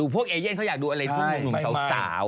พวกเอเย่นเขาอยากดูอะไรพวกสาว